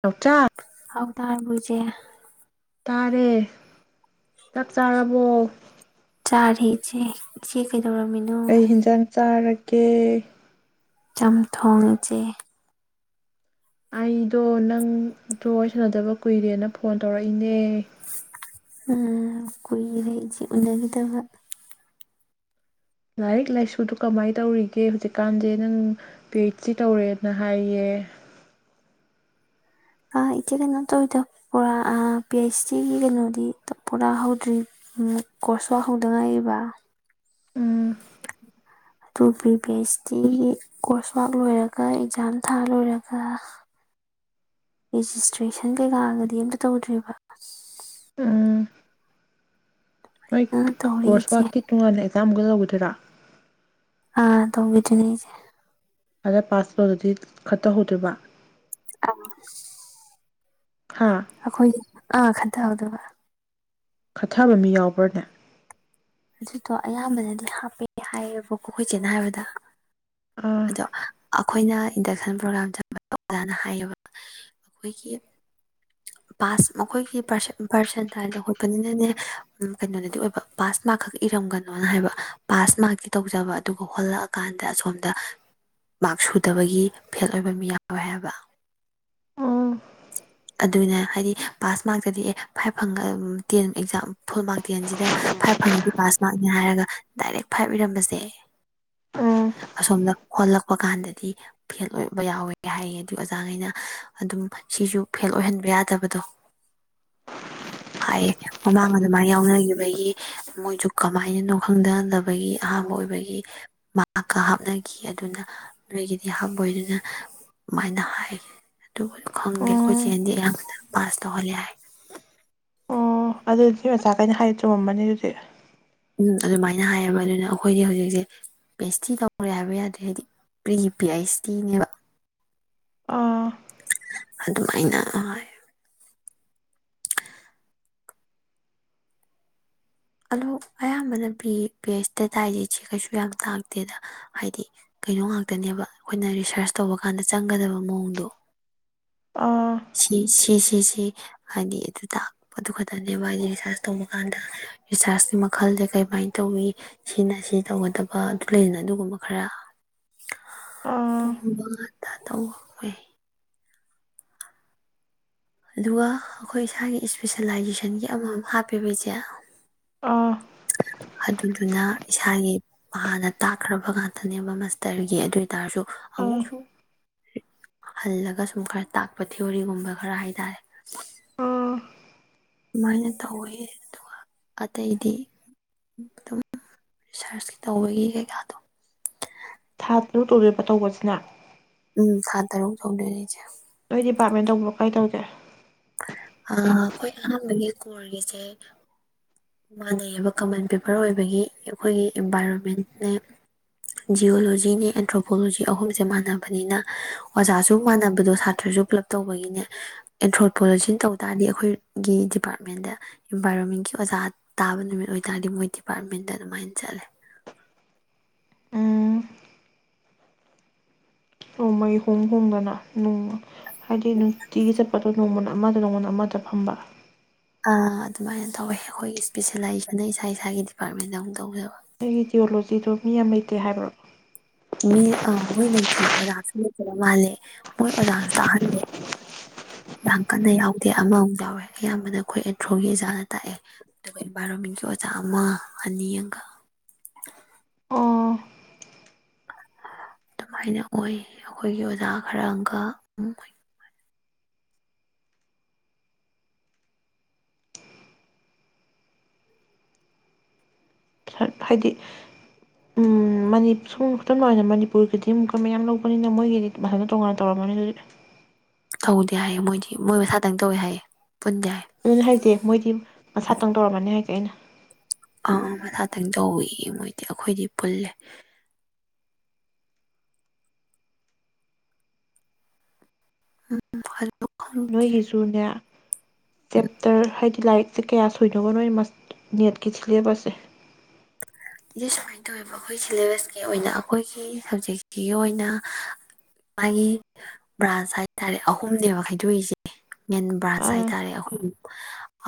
ꯆꯥꯎꯧꯇ ꯍꯥꯎ ꯇꯕꯨꯖꯦ ꯇꯥꯔꯦ ꯆꯥꯛ ꯆꯥꯔꯕꯣ ꯆꯥꯔ ꯍ ꯆ ꯁꯤ ꯀ ꯑꯩ ꯍꯟꯖꯥꯡ ꯆꯥꯔꯒꯦ ꯀꯦ ꯆꯝꯊꯣꯡꯁꯦ ꯑꯩꯗꯣ ꯅꯪ ꯋꯥꯔꯤ ꯁꯥꯟꯅꯗꯕ ꯀꯨꯏꯔꯦꯅ ꯐꯣꯟ ꯇꯧꯔꯛꯏꯅꯦ ꯀꯨꯔꯦꯆꯦ ꯎꯅꯈꯤꯗꯕ ꯂꯥꯏꯔꯤꯛ ꯂꯥꯏꯁꯨꯗꯨ ꯀꯃꯥꯏꯅ ꯇꯧꯔꯤꯒꯦ ꯍꯧꯖꯤꯛꯀꯥꯟꯁꯦ ꯅꯪ ꯄꯤ ꯑꯩꯆ ꯁꯤ ꯇꯧꯔꯦꯅ ꯍꯥꯏꯌꯦ ꯏꯆꯦ ꯀꯩꯅꯣ ꯇꯧꯋꯤꯗ ꯄꯨꯔꯥ ꯄꯤ ꯑꯩꯩꯆ ꯗꯤꯒꯤ ꯀꯩꯅꯣꯗꯤ ꯄꯨꯔꯥ ꯍꯧꯗ꯭ꯔꯤ ꯀꯣꯔꯁꯁꯨꯍꯧꯗꯉꯥꯏꯕ ꯎꯝ ꯑꯗꯨ ꯄꯔꯤ ꯄꯤ ꯑꯩꯆ ꯗꯤꯒꯤ ꯀꯣꯔꯁ ꯋꯥꯔ ꯂꯣꯏꯔꯒ ꯑꯦꯛꯖꯥꯝ ꯊꯥ ꯂꯣꯏꯔꯒ ꯔꯦꯖꯤꯁꯇ꯭ꯔꯦꯁꯟ ꯀꯩꯀꯥꯒꯗꯤ ꯑꯝꯇ ꯇꯧꯗ꯭ꯔꯤꯕ ꯎꯝ ꯃ ꯑ ꯇꯧꯔꯤ ꯀꯣꯔꯣꯔꯁ ꯏꯆꯦ ꯋꯥꯀꯤ ꯇꯨꯡ ꯑꯅ ꯆꯃꯨꯒ ꯂꯧꯒꯊꯣꯏꯔꯥ ꯑꯥ ꯇ ꯎꯕꯤꯗꯤ ꯅꯁꯦ ꯑꯗ ꯄꯥꯁꯣꯗꯗꯤ ꯈꯠꯇꯍꯧꯗ꯭ꯣꯏꯔꯤꯕ ꯑ ꯍꯥ ꯑꯩꯈꯣꯏ ꯑꯥ ꯈ ꯥꯎꯗꯕ ꯈꯠꯊꯕ ꯃꯤ ꯌꯥꯎꯕ꯭ꯔꯅꯦ ꯑꯗꯨꯗꯣ ꯑꯌꯥꯝꯕꯅꯗꯤ ꯍꯥꯞꯄꯦ ꯍꯥꯏꯌꯦꯕꯀꯣ ꯑꯩꯣꯏꯁꯦꯅ ꯍꯥꯏꯕꯗ ꯑꯥ ꯑꯗꯣ ꯑꯩꯈꯣꯏꯅ ꯏꯟꯗꯛꯁꯟ ꯄ꯭ꯔꯣꯒ꯭ꯔꯥꯝ ꯆ ꯑꯣꯖꯥꯅ ꯍꯥꯏꯌꯦꯕ ꯑꯩꯈꯣꯏꯒꯤ ꯄꯥꯁ ꯃꯈꯣꯏꯒꯤ ꯄꯥꯔꯁꯟ ꯇꯥꯏ ꯂꯧꯈꯠꯄꯅꯤꯅꯅꯦ ꯀꯩꯅꯣꯗꯗꯤ ꯑꯣꯏꯕ ꯄꯥꯁ ꯃꯥꯔꯛ ꯈꯛ ꯏꯔꯝꯒꯅꯣꯅ ꯍꯥꯏꯕ ꯄꯥꯁ ꯃꯥꯔꯛꯀꯤ ꯇꯧꯖꯕ ꯑꯗꯨꯒ ꯍꯣꯜꯂꯛꯑꯀꯥꯟꯗ ꯑꯁꯣꯝꯗ ꯃꯥꯔꯛ ꯁꯨꯗꯕꯒꯤ ꯐꯦꯜ ꯑꯣꯏꯕ ꯃꯤ ꯌꯥꯎꯋꯦ ꯍꯥꯏꯕ ꯑꯣ ꯑꯗꯨꯅ ꯍꯥꯏꯗꯤ ꯄꯥꯁ ꯃꯥꯔꯛꯇꯗꯤ ꯑꯦ ꯐꯥꯏꯚ ꯐꯪ ꯇꯦꯟ ꯑꯦꯛꯖꯥꯝ ꯐꯨꯜ ꯃꯥꯔꯛ ꯇꯦꯟꯁꯤꯗ ꯐꯥꯏꯚ ꯐꯪꯉꯗꯤ ꯄꯥꯁ ꯃꯥꯔꯛꯅꯤ ꯍꯥꯏꯔꯒ ꯗꯥꯏꯔꯦꯛ ꯐꯥꯏꯚ ꯏꯔꯝꯕꯁꯦ ꯑꯣ ꯑꯁꯣꯝꯗ ꯍꯣꯜꯂꯛꯄ ꯀꯥꯟꯗꯗꯤ ꯐꯦꯜ ꯑꯣꯏꯕ ꯌꯥꯎꯋꯦ ꯍꯥꯏꯗꯤ ꯑꯣꯖꯥꯉꯩꯅ ꯑꯗꯨꯝ ꯁꯤꯁꯨ ꯐꯦꯜ ꯑꯣꯏꯍꯟꯕ ꯌꯥꯗꯕꯗꯣ ꯍꯥꯏꯌꯦ ꯃꯃꯥꯡ ꯑꯗꯨꯃꯥꯏꯅ ꯌꯥꯎꯅꯈꯤꯕꯒꯤ ꯃꯣꯏꯁꯨ ꯀꯃꯥꯏꯅꯅꯣ ꯈꯪꯗꯍꯟꯗꯕꯒꯤ ꯑꯍꯥꯡꯥꯟꯕ ꯑꯣꯏꯕꯒꯤ ꯃꯍꯥꯛꯀ ꯍꯥꯞꯅꯈꯤ ꯑꯗꯨꯅ ꯅꯣꯏꯒꯤꯗꯤ ꯍꯥꯞꯄꯣꯏꯗꯨꯅ ꯑꯗꯨꯃꯥꯏꯅ ꯍꯥꯏ ꯑꯗꯨ ꯈꯪꯗꯦ ꯑꯣ ꯑꯩꯈꯣꯏ ꯆꯦꯟꯗꯤ ꯑꯌꯥꯝꯕꯗ ꯄꯥꯁ ꯇꯧꯍꯜꯂꯦ ꯍꯥꯏ ꯑꯣ ꯑꯗꯨꯗꯤ ꯃꯆꯥꯈꯩꯅ ꯍꯥꯏꯗꯤ ꯆꯨꯝꯃꯝꯕꯅꯤ ꯍꯧꯖꯤꯛ ꯎꯝ ꯑꯗꯨꯃꯥꯏꯅ ꯍꯥꯏꯌꯦꯕ ꯑꯗꯨꯅ ꯑꯩꯈꯣꯏꯗꯤ ꯍꯧꯖꯤꯛꯁꯦ ꯄꯤ ꯑꯩꯆ ꯇꯤ ꯇꯧꯔꯦ ꯍꯥꯏꯕ ꯌꯥꯗ꯭ꯔꯦ ꯍꯥꯏꯗꯤ ꯄ꯭ꯔꯤ ꯂꯤ ꯄꯤ ꯑꯩꯁ ꯇꯤꯅꯦꯕ ꯑꯥ ꯑꯗꯨꯃꯥꯏꯅ ꯑ ꯑꯌꯥꯝꯕꯅ ꯄ ꯄꯤ ꯑꯩꯁ ꯗꯦꯇꯥ ꯍꯥꯏꯁꯦ ꯁꯤ ꯀꯩꯁꯨ ꯌꯥꯝ ꯇꯥꯛꯇꯦꯗ ꯍꯥꯏꯗꯤ ꯀꯩꯅꯣ ꯉꯥꯛꯇꯅꯦꯕ ꯑꯩꯈꯣꯏꯅ ꯔꯤꯁꯥꯔꯁ ꯇꯧꯕ ꯀꯥꯟꯗ ꯆꯪꯒꯗꯕ ꯃꯑꯣꯡꯗꯣ ꯑꯥ ꯁꯤ ꯁꯤꯁꯤꯁꯤꯦ ꯍꯥꯏꯗꯤ ꯑꯗꯨ ꯇꯥꯛꯄꯗꯨ ꯈꯛꯇꯅꯦꯕ ꯍꯥꯏꯗꯤ ꯔꯤꯁꯥꯔꯁ ꯇꯧꯕ ꯀꯥꯟꯗ ꯔꯤꯁꯥꯔꯁꯀꯤ ꯃꯈꯜꯁꯦ ꯀꯩꯃꯥꯏꯅ ꯇꯧꯋꯤ ꯁꯤꯅ ꯁꯤ ꯇꯧꯒꯗꯕ ꯑꯗꯨ ꯂꯩꯗꯅ ꯑꯗꯨꯒꯨꯝꯕ ꯈꯔ ꯇ ꯑꯥ ꯍ ꯥꯟ ꯇ ꯑꯗꯨꯒ ꯑꯩꯈꯣꯏ ꯏꯁꯥꯒꯤ ꯏꯁꯄꯤꯁꯦꯂꯥꯏꯖꯦꯁꯟꯒꯤ ꯑꯃꯃꯝ ꯍꯥꯞꯄꯤꯕꯩꯁꯦ ꯑꯥ ꯑꯗꯨꯗꯨꯅ ꯏꯁꯥꯒꯤ ꯍꯥꯟꯅ ꯇꯥꯛꯈ꯭ꯔꯕ ꯉꯥꯛꯇꯅꯦꯕ ꯃꯁꯇꯔꯒꯤ ꯑꯗꯨ ꯇꯥꯔꯁꯨ ꯑꯥ ꯑꯃꯨꯛꯁꯨꯨꯝ ꯍꯜꯂꯒ ꯁꯨꯝ ꯈꯔ ꯇꯥꯛꯄ ꯊꯤꯑꯣꯣꯔꯤꯒꯨꯝꯕ ꯈꯔ ꯍꯥꯏ ꯇꯔꯦ ꯎꯝ ꯑꯗꯨꯃꯥꯏꯅ ꯇꯧꯋꯤ ꯑꯗꯨꯒ ꯑꯇꯩꯗꯤ ꯑꯗꯨꯝ ꯔꯤꯁꯔꯁꯀꯤ ꯇꯧꯕꯒꯤ ꯀꯩꯀꯥꯗꯣ ꯂꯨ ꯇꯨꯔꯦꯕ ꯇꯧꯕꯁꯤꯅ ꯎꯝ ꯈꯥꯇꯔ ꯎ ꯁꯧꯗꯔꯔꯤꯦ ꯀꯩ ꯗꯤꯄꯥꯔꯠꯃꯦꯟ ꯇꯧꯕ꯭ꯔꯣ ꯀꯥꯏ ꯇꯧꯒꯦ ꯑꯩꯈꯣꯏ ꯑꯍꯥꯟꯕꯒꯤ ꯀꯣꯔꯒꯤꯁꯦ ꯃꯥꯟꯅꯩꯑꯕ ꯀꯃꯟ ꯄꯤꯄꯔ ꯑꯣꯏꯕꯒꯤ ꯑꯩꯈꯣꯏꯒꯤ ꯏꯟꯚꯥꯏꯔꯣꯟꯃꯦꯟꯦ ꯖꯤꯑꯣꯂꯣꯖꯤꯅꯦ ꯑꯦꯟꯊ꯭ꯔꯣꯄꯣꯂꯣꯖꯤ ꯑꯍꯨꯝꯁꯦ ꯃꯥꯟꯅꯕꯅꯤꯅ ꯑꯣꯖꯥꯁꯨ ꯃꯥꯟꯅꯕꯗꯣ ꯁꯥꯇ꯭ꯔꯁꯨ ꯄꯨꯂꯞ ꯇꯧꯕꯒꯤꯅꯦ ꯑꯦꯟꯊ꯭ꯔꯣꯄꯣꯂꯣꯖꯤꯅ ꯇꯧ ꯇꯥꯔꯗꯤ ꯑꯩꯈꯣꯏꯒꯤ ꯗꯤꯄꯥꯔꯠꯃꯦꯟꯗ ꯏꯟꯚꯥꯏꯔꯣꯟꯃꯦꯟꯒꯤ ꯑꯣꯖꯥ ꯇꯥꯕ ꯅꯨꯃꯤꯠ ꯑꯣꯏꯇꯥꯥꯔꯗꯤ ꯃꯣꯏ ꯗꯤꯄꯥꯔꯠꯃꯦꯟꯗ ꯑꯗꯨꯃꯥꯏꯅ ꯆꯠꯂꯦ ꯎꯝ ꯑꯣꯣꯡꯃꯩ ꯍꯣꯡ ꯍꯣꯡꯗꯅꯅꯨꯡ ꯍꯥꯏꯗꯤ ꯅꯨꯅꯨꯡ ꯆꯒꯤ ꯆꯠ ꯑꯗꯨꯣ ꯅꯣꯡꯃ ꯑꯃꯗ ꯅꯣꯡꯃꯗ ꯑꯃꯗ ꯐꯝꯕ ꯑꯗꯨꯃꯥꯏꯅ ꯇꯧꯋꯦ ꯑꯩꯈꯣꯏ ꯏꯁꯄꯤꯁꯦꯂꯥꯏꯖꯦꯁꯟ ꯏꯁꯥ ꯏꯁꯥꯒꯤ ꯗꯤꯄꯥꯔꯠꯃꯦꯟꯗ ꯑꯃꯨꯛ ꯇꯧꯖꯕ ꯗꯤꯣꯜꯂꯣ ꯤꯗꯣ ꯃꯤ ꯌꯥꯝ ꯂꯩꯇꯦ ꯍꯥꯏꯕ꯭ꯔꯣ ꯃꯤ ꯑꯥ ꯃꯣꯏ ꯂꯩꯇꯦ ꯑꯣꯖꯥꯁꯨ ꯂꯩꯠꯇꯕ ꯃꯥꯜꯂꯦ ꯃꯣꯏ ꯑꯣꯖꯥꯁꯨ ꯇꯥꯛꯍꯜꯂꯦ ꯌꯥꯝ ꯀꯟꯅ ꯌꯥꯎꯗꯦ ꯑꯃꯃꯨꯛ ꯌꯥꯎꯋꯦ ꯑꯌꯥꯝꯕꯅ ꯑꯩꯈꯣꯏ ꯑꯦꯟꯊ꯭ꯔꯣꯒꯤ ꯑꯣꯖꯥꯅ ꯇꯥꯛꯑꯦ ꯑꯗꯨꯒ ꯏꯟꯚꯥꯏꯔꯣꯟꯃꯦꯟꯒꯤ ꯑꯣꯖꯥ ꯑꯃ ꯑꯅꯤ ꯑꯒ ꯑꯣ ꯑꯗꯨꯃꯥꯏꯅ ꯑꯣꯏ ꯑꯩꯈꯣꯏꯒꯤ ꯑꯣꯖꯥ ꯈꯔꯒ ꯍꯥꯏꯗꯤ ꯁꯨꯝ ꯈꯨꯗꯝ ꯅ ꯃꯅꯤꯄꯨꯔꯒꯤꯗꯤ ꯑꯃꯨꯛꯀꯔ ꯃꯌꯥꯝ ꯂꯧꯕꯅꯤꯅ ꯃꯣꯏꯒꯤꯗꯤ ꯃꯁꯥꯅ ꯇꯣꯉꯥꯟꯅ ꯇꯧꯔꯝꯃꯅꯤ ꯑꯗꯨꯗꯤ ꯇꯧꯗꯦ ꯍꯥꯏꯌꯦ ꯃꯣꯏꯗꯤ ꯃꯣꯏ ꯃꯁꯥꯗꯪ ꯇꯧꯋꯦ ꯍꯥꯏꯌꯦ ꯄꯨꯟꯗꯦ ꯍꯥꯏꯌꯦ ꯑꯗꯨꯅ ꯍꯥꯏꯁꯦ ꯃꯣꯏꯗꯤ ꯁꯥꯇꯪ ꯇꯧꯔꯝꯃꯅꯤ ꯍꯥꯏ ꯄꯩꯅ ꯑꯥ ꯃꯊꯥꯇꯪ ꯇꯧꯋꯤꯌꯦ ꯃꯣꯏꯗꯤ ꯑꯩꯈꯣꯏꯗꯤ ꯄꯨꯜꯂꯦ ꯎꯝ ꯐ ꯅꯣꯏꯒꯤꯁꯨꯨꯔꯅꯦ ꯆꯦꯞꯇꯔ ꯍꯥꯏ ꯂꯥꯏꯔꯤꯛꯁꯦ ꯀꯌꯥ ꯁꯣꯏꯅꯕꯅꯣ ꯅꯦꯠꯀꯤ ꯁꯤꯂꯦꯕꯁꯁꯦ ꯏ ꯁꯨꯃꯥꯏꯅ ꯇꯧꯋꯦꯕ ꯑꯩꯈꯣꯏ ꯁꯤꯂꯦꯕꯁꯀꯤ ꯑꯣꯏꯅ ꯑꯩꯈꯣꯏꯒꯤ ꯁꯕꯖꯦꯛꯁꯤꯒꯤ ꯑꯣꯏꯅ ꯃꯥꯒꯤ ꯕ꯭ꯔꯥꯟꯁ ꯍꯥꯏ ꯇꯥꯔꯦ ꯑꯍꯨꯝꯅꯦꯕ ꯈꯥꯏꯗꯣꯛꯏꯁꯦ ꯃꯦꯟ ꯕ꯭ꯔꯥꯟꯁ ꯍꯥꯏ ꯑꯥ ꯇꯥꯔꯦ ꯑꯍꯨꯝ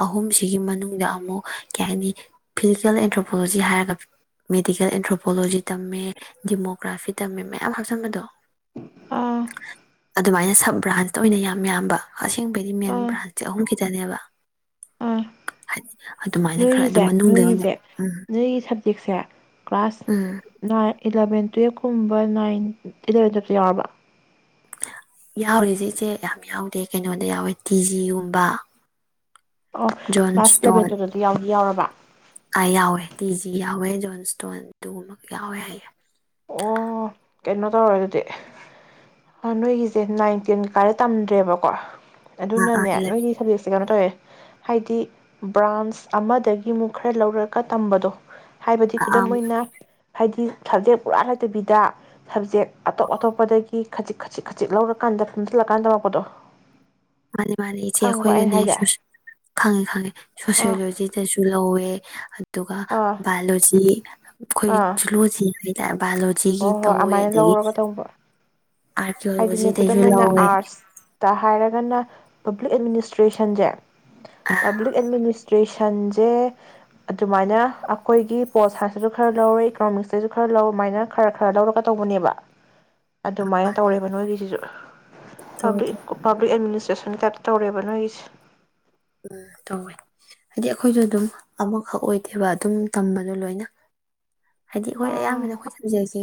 ꯑꯍꯨꯝꯁꯤꯒꯤ ꯃꯅꯨꯡꯗ ꯑꯃꯨꯛ ꯀꯩ ꯍꯥꯏꯅꯤ ꯐꯤꯖꯤꯀꯦꯜ ꯑꯦꯟꯊ꯭ꯔꯣꯄꯣꯂꯣꯖꯤ ꯍꯥꯏꯔꯒ ꯃꯦꯗꯤꯀꯦꯜ ꯑꯦꯟꯊ꯭ꯔꯣꯄꯣꯂꯣꯖꯤ ꯇꯝꯃꯦ ꯗꯤꯃꯣꯒ꯭ꯔꯥꯐꯤ ꯇꯝꯃꯦ ꯃꯌꯥꯝ ꯍꯥꯞꯆꯟꯕꯗꯣ ꯑꯥ ꯑꯗꯨꯃꯥꯏꯅ ꯁꯕ ꯕ꯭ꯔꯥꯟꯁꯇ ꯑꯣꯏꯅ ꯌꯥꯝ ꯌꯥꯝꯕ ꯑꯁꯦꯡꯕꯩꯗꯤ ꯃꯦꯟ ꯑꯥ ꯕ꯭ꯔꯥꯟꯁꯇꯤ ꯑꯍꯨꯝ ꯈꯤꯇꯅꯦꯕ ꯑꯥ ꯍꯥꯏ ꯅꯣꯏꯒꯤꯁꯦ ꯅꯣꯏꯒꯤꯁꯦ ꯎꯝ ꯅꯣꯏꯒꯤ ꯍꯧꯖꯤꯛꯁꯦ ꯎꯝ ꯀ꯭ꯂꯥꯁ ꯏ ꯏꯂꯚꯦꯟ ꯇꯨꯌꯦꯞ ꯀꯨꯝꯕ ꯅꯥꯏꯟ ꯏꯂꯕꯦꯟꯗꯞꯇ ꯌꯥꯎꯔꯕ ꯌꯥꯎꯔꯤꯁꯦ ꯏꯆꯦ ꯌꯥꯝ ꯌꯥꯎꯗꯦ ꯀꯩꯅꯣꯗ ꯌꯥꯎꯋꯦ ꯇꯤꯖꯤꯒꯨꯝꯕ ꯑꯣ ꯀ꯭ꯂꯥꯁ ꯂꯦꯕꯦꯟꯗꯨꯗꯗꯤ ꯌꯥꯎ ꯌꯥꯎꯔꯕ ꯋꯥ ꯑꯥ ꯌꯥꯎꯋꯦ ꯇꯤ ꯖꯤ ꯌꯥꯎꯋꯦ ꯖꯣꯟ ꯏꯁꯇꯣꯟ ꯇꯨꯃ ꯌꯥꯎꯋꯦ ꯍꯥꯏ ꯑꯣ ꯀꯩꯅꯣ ꯇꯧꯔꯦ ꯑꯗꯨꯗꯤ ꯅꯣꯏꯒꯤꯁꯦ ꯅꯥꯏꯟ ꯇꯦꯟ ꯀꯥꯏꯔ ꯇꯝꯗ꯭ꯔꯦꯕꯀꯣ ꯑꯥ ꯑꯥ ꯑꯗꯨꯅꯅꯦ ꯏꯂꯚꯦꯟ ꯅꯣꯏꯒꯤ ꯁꯕꯖꯦꯛꯁꯦ ꯀꯩꯅꯣ ꯇꯧꯋꯦ ꯍꯥꯏꯗꯤ ꯕ꯭ꯔꯥꯟꯁ ꯑꯃꯗꯒꯤ ꯑꯃꯨꯛ ꯈꯔ ꯂꯧꯔꯒ ꯇꯝꯕꯗꯣ ꯍꯥꯏꯕꯗꯤ ꯑꯥ ꯈꯨꯗꯝ ꯑꯥ ꯑꯣꯏꯅ ꯍꯥꯏꯗꯤ ꯁꯕꯖꯦꯛ ꯄꯨꯔꯥ ꯂꯩꯇꯕꯤꯗ ꯁꯕꯖꯦꯛ ꯑꯇꯣꯞ ꯑꯇꯣꯞꯄꯗꯒꯤ ꯀ ꯈꯖꯤꯛ ꯈꯖꯤꯛ ꯈꯖꯤꯛ ꯂꯧꯔꯀꯥꯟꯗ ꯐꯝꯖꯤꯜꯂꯀꯥꯟ ꯇꯧꯔꯛꯄꯗꯣ ꯃꯥꯅꯤ ꯃꯥꯅꯤ ꯏꯆꯦ ꯑꯩꯈꯣꯏꯒꯅꯦ ꯈꯪꯉꯦ ꯈꯪꯉꯦ ꯑꯥ ꯁꯣꯁꯤꯌꯣꯂꯣꯖꯤꯗꯁꯨ ꯂꯧꯋꯦ ꯑꯗꯨ ꯑꯗꯨꯒ ꯑꯥ ꯕꯥꯏꯂꯣꯖꯤ ꯑꯩꯈꯣꯏ ꯑꯥ ꯖꯨꯂꯣꯖꯤꯒꯤ ꯕꯥꯏꯑꯣꯂꯣꯖꯤꯒꯤ ꯍꯣꯏ ꯍꯣꯏ ꯇꯧꯋꯦ ꯑꯗꯨꯃꯥꯏꯅ ꯑꯗꯒꯤ ꯂꯧꯔꯒ ꯇꯧꯕ ꯍꯥꯏꯗꯤꯅꯦ ꯑꯥꯔꯀꯤꯌꯣꯂꯣꯖꯤꯗꯩꯁꯨ ꯈꯨꯗꯝ ꯑꯣꯏꯅ ꯂꯧꯋꯦ ꯑꯥꯔꯠꯁꯇ ꯍꯥꯏꯔꯒ ꯍꯥꯏꯒꯅ ꯄꯕ꯭ꯂꯤꯛ ꯑꯦꯗꯃꯤꯅꯤꯁꯇ꯭ꯔꯦꯁꯟꯁꯦ ꯑꯥ ꯄꯛ ꯑꯦꯗꯃꯤꯁꯦ ꯇꯨꯋꯦꯁꯟꯁꯦ ꯑꯗꯨꯃꯥꯏꯅ ꯑꯩꯈꯣꯏꯒꯤ ꯄꯣꯁ ꯁꯥꯏꯟꯁꯇꯁꯨ ꯈꯔ ꯂꯧꯔꯦ ꯏꯀꯣꯅꯣꯃꯤꯛꯁꯇꯁꯨ ꯈꯔ ꯂꯧꯔ ꯑꯗꯨꯃꯥꯏꯅ ꯈꯔ ꯈꯔ ꯂꯧꯔꯒ ꯇꯧꯕꯅꯦꯕ ꯑꯗꯨꯃꯥꯏꯅ ꯃꯥꯅꯦ ꯇꯧꯔꯦꯕ ꯅꯣꯏꯒꯤꯁꯤꯁꯨ ꯇꯧꯋꯦ ꯇꯧꯋꯦ ꯄꯂꯤꯛ ꯑꯦꯃꯤ ꯔꯦꯁꯟ ꯀꯠ ꯇꯧꯔꯦꯕ ꯅꯣꯏꯒꯤꯁꯦ ꯎꯝ ꯇꯧꯋꯦ ꯍꯥꯏꯗꯤ ꯑꯩꯈꯣꯏꯁꯨ ꯑꯗꯨꯝ ꯑꯃꯈꯛ ꯑꯣꯏꯗꯦꯕ ꯑꯗꯨꯝ ꯇꯝꯕꯗꯣ ꯂꯣꯏꯅ ꯍꯥꯏꯗꯤ ꯑꯩꯈꯣꯏ ꯑꯌꯥꯝꯕꯅ ꯑꯥ ꯑꯩꯈꯣꯏ ꯁꯕꯖꯦꯛꯁꯤ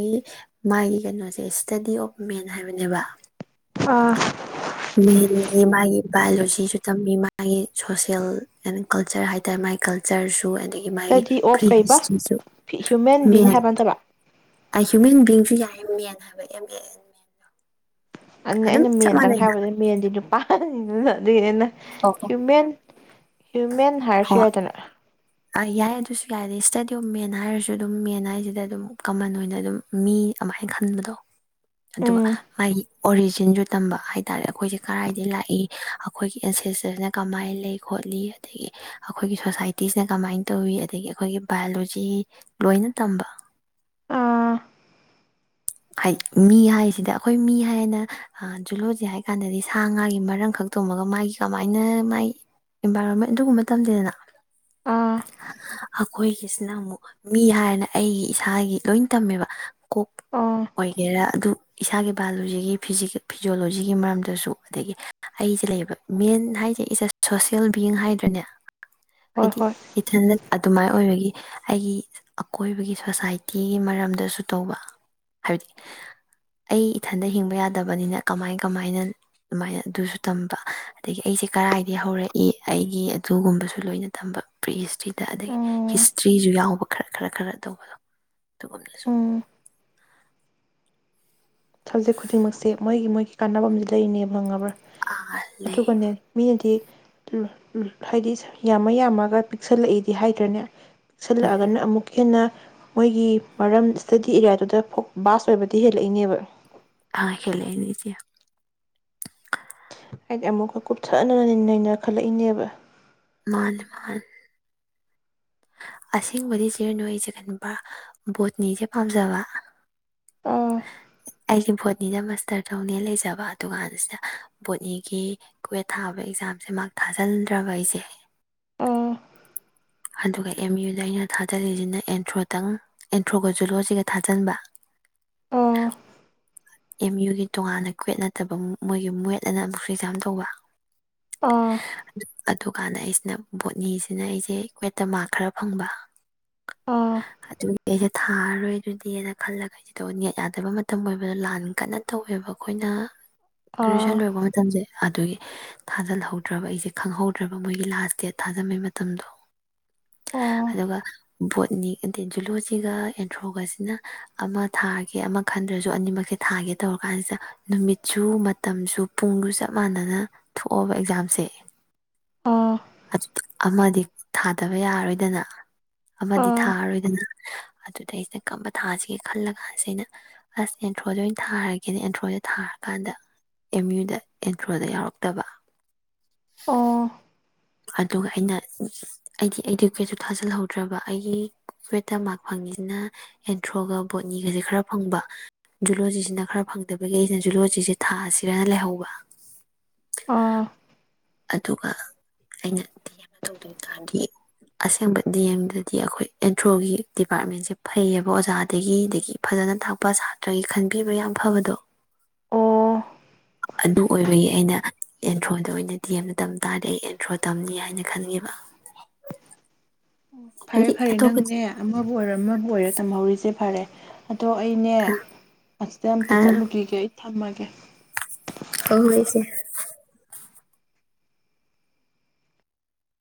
ꯃꯥꯒꯤ ꯀꯩꯅꯣꯁꯦ ꯏꯁꯇꯗꯤ ꯑꯣꯐ ꯃꯦꯟ ꯍꯥꯏꯕꯅꯦꯕ ꯃꯤ ꯃꯥꯒꯤ ꯚꯥꯏꯌꫭꯂꯣꯁꯤꯁꯨ ꯊꯝ ꯃꯥꯒꯤ ꯁꯣꯁꯦꯜ ꯑꯦꯟ ꯀꯜꯆꯔ ꯍꯥꯏꯇꯥꯔꯦ ꯃꯥꯒꯤ ꯀꯜꯆꯔꯁꯨ ꯑꯗꯒꯤ ꯃꯥꯒꯤ ꯏꯁꯇꯗꯤ ꯄ꯭ꯔꯤ ꯑꯣꯐ ꯀꯩꯕ ꯍꯤꯁꯇ꯭ꯔꯤꯁꯨ ꯍ꯭ꯌꯨꯃꯦꯟ ꯕꯤꯡ ꯃꯦꯟ ꯍꯥꯏꯕ ꯅꯠꯇꯕ ꯑ ꯍ꯭ꯌꯨꯃꯦꯟ ꯕꯤꯡꯁꯨ ꯌꯥꯏ ꯑꯦꯝ ꯑꯦꯟ ꯍꯥꯏꯕ ꯑꯦ ꯑꯗꯨ ꯑꯗꯨꯝ ꯑꯩꯅ ꯆꯞ ꯃꯦꯟꯗꯪ ꯃꯥꯟꯅꯩꯅ ꯍꯥꯏꯕꯗꯅ ꯃꯦꯟꯗꯤ ꯏ ꯑꯗꯨꯦꯟꯅ ꯍ꯭ꯌꯨꯃꯦꯟ ꯍ꯭ꯌꯨꯃꯦꯟ ꯍꯥꯔꯁꯨ ꯌꯥꯏꯗꯅ ꯑ ꯌꯥꯏ ꯑꯗꯨꯁꯨ ꯌꯥꯏ ꯏꯁꯇꯗꯤꯑꯣ ꯃꯦꯟ ꯍꯥꯏꯔꯁꯨ ꯑꯗꯨꯝ ꯃꯦꯟ ꯍꯥꯏꯁꯤꯗ ꯑꯗꯨꯝ ꯀꯃꯟ ꯑꯣꯏꯅ ꯑꯗꯨꯝ ꯃꯤ ꯑꯃꯥꯏꯅ ꯈꯟꯕꯗꯣ ꯑꯗꯨꯒ ꯎꯝ ꯃꯥꯒꯤ ꯑꯣꯔꯤꯖꯤꯟꯁꯨ ꯇꯝꯕ ꯍꯥꯏꯇꯥꯥꯔꯦ ꯑꯩꯈꯣꯏꯁꯦ ꯀꯔꯥꯏꯗꯒꯤ ꯂꯥꯛꯏ ꯑꯩꯈꯣꯏꯒꯤ ꯑꯦꯟꯁꯦꯁꯇꯔꯁꯤꯅ ꯀꯃꯥꯏꯅ ꯂꯩ ꯈꯣꯠꯂꯤ ꯑꯗꯒꯤ ꯑꯩꯈꯣꯏꯒꯤ ꯁꯣꯁꯥꯏꯇꯤꯁꯤꯅ ꯀꯃꯥꯏꯅ ꯇꯧꯋꯤ ꯑꯗꯒꯤ ꯑꯩꯈꯣꯏꯒꯤ ꯕꯥꯏꯑꯣꯂꯣꯖꯤ ꯂꯣꯏꯅ ꯇꯝꯕ ꯑꯥ ꯍꯥꯏꯗꯤ ꯃꯤ ꯍꯥꯏꯁꯤꯗꯤ ꯑꯩꯈꯣꯏ ꯃꯤ ꯍꯥꯏꯔꯅ ꯖꯨꯂꯣꯖꯤ ꯍꯥꯏ ꯀꯥꯟꯗꯗꯤ ꯁꯥ ꯉꯥꯒꯤ ꯃꯔꯝ ꯈꯛ ꯇꯣꯃꯒ ꯃꯥꯒꯤ ꯀꯃꯥꯏꯅ ꯃꯥꯒꯤ ꯏꯟꯚꯥꯏꯔꯣꯟꯃꯦꯟ ꯑꯗꯨꯒꯨꯝꯕ ꯃꯇꯝꯝꯁꯤꯗꯅ ꯑꯥ ꯑꯩꯈꯣꯏꯒꯤꯁꯤꯅ ꯑꯃꯨꯛ ꯃꯤ ꯍꯥꯏꯅ ꯑꯩꯒꯤ ꯏꯁꯥꯒꯤ ꯂꯣꯏ ꯇꯝꯃꯦꯕ ꯀꯣꯛ ꯑꯥ ꯑꯣꯏꯒꯦꯔꯥ ꯑꯗꯨ ꯏꯁꯥꯒꯤ ꯚꯏꯑꯣꯂꯣꯖꯤꯒꯤ ꯐꯤꯖꯣꯑꯣꯂꯣꯖꯤꯒꯤ ꯃꯔꯝꯗꯁꯨ ꯑꯗꯒꯤ ꯑꯩꯁꯦ ꯂꯩꯕ ꯃꯦꯟ ꯍꯥꯏꯁꯦ ꯏꯁ ꯑꯦ ꯁꯣꯁꯦꯜ ꯕꯤꯌꯤꯡ ꯍꯥꯏꯗ꯭ꯔꯅꯦ ꯍꯣꯏ ꯍꯥꯏꯗꯤ ꯍꯣꯏ ꯏꯊꯟꯗ ꯑꯗꯨꯃꯥꯏꯅ ꯑꯣꯏꯔꯒ ꯑꯩꯒꯤ ꯑꯀꯣꯏꯕꯒꯤ ꯁꯣꯁꯥꯏꯇꯤꯒꯤ ꯃꯔꯝꯗꯁꯨ ꯇꯧꯕ ꯍꯥꯏꯕꯗꯤ ꯑꯩ ꯏꯊꯟꯗ ꯍꯤꯡꯕ ꯌꯥꯗꯕꯅꯤꯅ ꯀꯃꯥꯏ ꯀꯃꯥꯏꯅ ꯑꯗꯨꯃꯥꯏꯅ ꯑꯗꯨꯁꯨ ꯇꯝꯕ ꯑꯗꯒꯤ ꯑꯩꯁꯦ ꯀꯔꯏꯗꯒꯤ ꯍꯧꯔꯛꯏ ꯑꯩꯒꯤ ꯑꯗꯨꯒꯨꯝꯕꯁꯨ ꯂꯣꯏꯅ ꯇꯝꯕ ꯄ꯭ꯔꯤ ꯍꯤꯁꯇ꯭ꯔꯤꯗ ꯑꯗꯒꯤ ꯎꯝ ꯍꯤꯁꯇ꯭ꯔꯤꯁꯨ ꯌꯥꯎꯕ ꯈꯔ ꯈꯔ ꯈꯔ ꯇꯧꯕꯗꯣ ꯑꯗꯨꯒꯝꯗꯁꯨ ꯎꯝ ꯁꯕꯖꯦꯛ ꯈꯨꯗꯤꯡꯃꯛꯁꯦ ꯃꯣꯏꯒꯤ ꯃꯣꯏꯒꯤ ꯀꯥꯟꯅꯕꯁꯦ ꯂꯩꯔꯤꯅꯦꯕ ꯐꯪꯉꯕ꯭ꯔꯥ ꯑꯥ ꯑꯗꯨ ꯂꯩ ꯀꯅꯦ ꯃꯤꯅꯗꯤ ꯎꯝ ꯍꯥꯏꯗꯤ ꯌꯥꯝꯃ ꯌꯥꯝꯃꯒ ꯄꯤꯛꯁꯜꯂꯛꯏꯗꯤ ꯍꯥꯏꯗ꯭ꯔꯅꯦ ꯎꯝ ꯛꯁꯤꯜꯂꯛꯑꯒꯅ ꯑꯃꯨꯛꯀ ꯍꯦꯟꯅ ꯃꯣꯏꯒꯤ ꯃꯔꯝ ꯏꯁꯇꯗꯤ ꯑꯦꯔꯤꯌꯥꯗꯨꯗ ꯐ ꯕꯥꯁ ꯑꯣꯏꯕꯗꯤ ꯍꯦꯜꯂꯛꯏꯅꯦꯕ ꯑ ꯈꯦꯂ ꯂꯩꯁꯤꯦ ꯑꯩꯗꯤ ꯑꯃꯨꯛꯀ ꯀꯨꯞꯊꯛꯅ ꯅꯩꯅꯔꯈꯠꯂꯛꯏꯅꯦꯕ ꯃꯥꯜꯃꯜ ꯑꯁꯦꯡꯕꯗꯤ ꯁꯤꯔꯨꯅꯨ ꯑꯩꯁꯦ ꯈꯟꯕ ꯕꯣꯠꯅꯤꯁꯦ ꯄꯥꯝꯖꯕ ꯑꯥ ꯑꯩꯁꯦ ꯕꯣꯠꯅꯤꯗ ꯃꯥꯁꯇꯔ ꯇꯧꯅꯦ ꯂꯩꯖꯕ ꯑꯗꯨ ꯀꯥꯟꯁꯤꯗ ꯕꯣꯠꯅꯤꯒꯤ ꯀꯨꯋꯦꯠ ꯊꯥꯕ ꯑꯦꯛꯖꯥꯝꯁꯦ ꯃꯔꯛ ꯊꯥꯖꯤꯟꯗ꯭ꯔꯕ ꯑꯩꯁꯦ ꯑꯥ ꯑꯗꯨꯒ ꯑꯦꯝ ꯌꯨꯗ ꯑꯩꯅ ꯊꯥꯖꯤꯜꯂꯤꯁꯤꯅ ꯑꯦꯟꯊ꯭ꯔꯣꯇꯪ ꯑꯦꯟꯊ꯭ꯔꯣꯒ ꯖꯨꯂꯣꯁꯤꯒ ꯊꯥꯖꯤꯟꯕ ꯑꯥ ꯑꯦꯝ ꯌꯨꯒꯤ ꯇꯣꯉꯥꯟꯅ ꯀ꯭ꯋꯦꯠ ꯅꯠꯇꯕ ꯃꯣꯏꯒꯤ ꯃꯋꯦꯠ ꯑꯅ ꯑꯃꯨꯛꯁꯨ ꯑꯦꯛꯖꯥ ꯇꯧꯕ ꯑꯗꯨ ꯀꯥꯟꯗ ꯑꯩꯁꯤꯅ ꯕꯣꯠꯅꯤꯁꯤꯅ ꯑꯩꯁꯦ ꯀ꯭ꯋꯦꯠꯇ ꯃꯥꯔ ꯈꯔ ꯐꯪꯕ ꯑꯥ ꯑ ꯊꯥꯔꯣꯏꯗꯨꯗꯤꯅ ꯈꯜꯂꯈꯩꯁꯤ ꯇꯣꯌꯥꯠ ꯌꯥꯗꯕ ꯃꯇꯝ ꯑꯣꯏꯕꯗꯣ ꯂꯥꯟ ꯌꯥꯝ ꯀꯟꯅ ꯇꯧꯋꯦꯕ ꯑꯩꯈꯣꯏꯅ ꯑꯥ ꯑꯥ ꯒ꯭ꯔꯦꯖꯨꯋꯁꯟ ꯂꯣꯏꯔꯛꯄ ꯃꯇꯝꯁꯦ ꯑꯗꯨꯒꯤ ꯊꯥꯖꯤꯜꯍꯧꯗ꯭ꯔꯕ ꯑꯩꯁꯦ ꯈꯪꯍꯧꯗ꯭ꯔꯕ ꯃꯣꯏꯒꯤ ꯂꯥꯁ ꯗꯦꯠ ꯊꯥꯖꯕꯩ ꯃꯇꯝꯗꯣ ꯑꯣ ꯑꯗꯨꯒ ꯕꯣꯠꯅꯤꯛ ꯑꯗ ꯖꯨꯂꯣꯁꯤꯒ ꯑꯦꯟꯊ꯭ꯔꯣꯒꯁꯤꯅ ꯑꯃ ꯊꯥꯒꯦ ꯑꯃ ꯈꯟꯗ꯭ꯔꯁꯨ ꯑꯅꯤꯃꯛꯀꯤ ꯊꯥꯒꯦ ꯇꯧꯔ ꯀꯥꯟꯁꯤꯗ ꯅꯨꯃꯤꯠꯁꯨ ꯃꯇꯝꯁꯨ ꯄꯨꯡꯁꯨ ꯆꯞ ꯃꯥꯟꯅꯅ ꯊꯣꯛꯑꯕ ꯑꯦꯛꯖꯥꯝꯁꯦ ꯑꯥ ꯑꯥ ꯑꯗꯤ ꯊꯥꯗꯕ ꯌꯥꯔꯣꯏꯗꯅ ꯑꯃꯗꯤ ꯊꯥꯔꯔꯣꯏꯗꯅ ꯑꯗꯨꯗ ꯑꯩꯁꯤꯗ ꯀꯔꯝꯕ ꯊꯥꯁꯤꯒꯦ ꯈꯜꯂ ꯀꯥꯟꯁꯤ ꯑꯩꯅ ꯑꯁ ꯑꯦꯟꯊ꯭ꯔꯣꯗ ꯊꯥꯔꯒꯦꯅꯦ ꯑꯦꯟꯊ꯭ꯔꯣꯗ ꯊꯥꯔꯀꯥꯟꯗ ꯑꯦꯝ ꯌꯨꯗ ꯑꯦꯟꯊ꯭ꯔꯣꯗ ꯌꯥꯎꯔꯛꯇꯕ ꯑꯥ ꯑꯗꯨꯒ ꯑꯩꯅ ꯑꯩꯗꯤ ꯑꯩꯗꯤ ꯀ꯭ꯋꯦꯠꯁꯨ ꯊꯥꯖꯤꯜꯍꯧꯗ꯭ꯔꯕ ꯑꯩꯒꯤ ꯀ꯭ꯋꯦꯠꯇ ꯃꯥꯔꯛ ꯐꯪꯉꯤꯁꯤꯅ ꯑꯦꯟꯊ꯭ꯔꯣꯒ ꯕꯣꯠꯅꯤꯒꯁꯦ ꯈꯔ ꯐꯪꯕ ꯖꯨꯂꯣꯖꯤꯁꯤꯅ ꯈꯔ ꯐꯪꯗꯕꯒꯤ ꯑꯩꯅ ꯖꯨꯂꯣꯖꯤꯁꯦ ꯊꯥꯁꯤꯔꯅ ꯂꯩꯍꯧꯕ ꯑꯥ ꯑꯗꯨꯒ ꯑꯩꯅ ꯗꯤ ꯑꯦꯝꯗ ꯇꯧꯗꯣꯏ ꯇꯥꯔꯗꯤ ꯑꯁꯦꯡꯕ ꯗꯤ ꯑꯦꯝꯗꯗꯤ ꯑꯩꯈꯣꯏ ꯑꯦꯟꯊ꯭ꯔꯣꯒꯤ ꯗꯤꯄꯥꯔꯠꯃꯦꯟꯁꯦ ꯐꯩꯌꯦꯕ ꯑꯣꯖꯥꯗꯒꯤ ꯑꯗꯒꯤ ꯐꯖꯅ ꯇꯥꯛꯄ ꯁꯥꯇ꯭ꯔꯒꯤ ꯈꯟꯕꯤꯕ ꯌꯥꯝ ꯐꯕꯗꯣ ꯑꯣ ꯑꯗꯨ ꯑꯣꯏꯕꯒꯤ ꯑꯩꯅ ꯏꯟꯊ꯭ꯔꯣꯗ ꯑꯣꯏꯅ ꯗꯤ ꯌꯦꯝ ꯗ ꯇꯝ ꯇꯥꯔꯥꯗꯤ ꯊ꯭ꯔꯣ ꯇꯝꯅꯤ ꯍꯥꯏꯅ ꯈꯟꯒꯤꯕ ꯑꯣ ꯐꯔꯦ ꯐꯔꯦ ꯅꯪꯅꯦ ꯑꯃꯕꯨ ꯑꯣꯏꯔꯣ ꯑꯃꯕꯨ ꯑꯣꯏꯔꯣ ꯇꯝꯍꯧꯔꯤꯁꯦ ꯐꯔꯦ ꯑꯗꯣ ꯑꯩꯅꯦ ꯑꯁꯤꯗ ꯑꯝꯇ ꯑ ꯆꯠꯂꯨꯈꯤꯒꯦ ꯊꯝꯃꯒꯦ ꯍꫭ ꯍꫭꯏ ꯏꯆꯦ